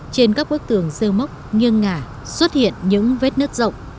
trên các bức tường dơ mốc nghiêng ngả xuất hiện những vết nứt rộng